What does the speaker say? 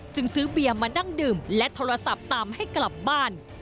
ซื้อเบียร์มานั่งดื่มและโทรศัพท์ตามให้กลับบ้าน